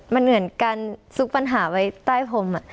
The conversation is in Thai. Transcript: มันเหมือนการซุกปัญหาไว้ใต้พรม